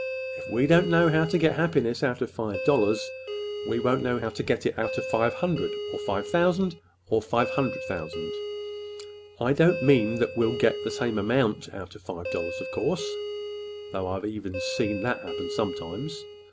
If we don't know how to get any happiness out of five dollars, we won't know how to get it out of five hundred, or five thousand, or five hundred thousand, Mr. Smith. I don't mean that we'll get the same amount out of five dollars, of course,—though I've seen even that happen sometimes!